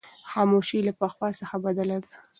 خاموشي له پخوا څخه بدله ده.